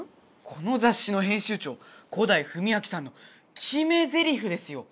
このざっしの編集長古代文明さんのきめゼリフですよ。